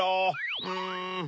うん。